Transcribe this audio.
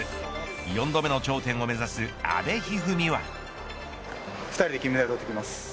４度目の頂点を目指す阿部一二三は。